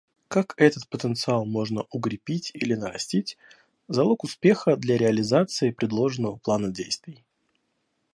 Как этот потенциал можно укрепить или нарастить — залог успеха для реализации предложенного плана действий.